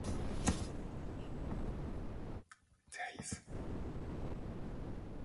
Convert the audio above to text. There is scholarly debate as to the hymn's author.